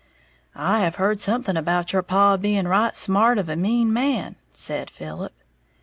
"I have heared something about your paw being right smart of a mean man," said Philip.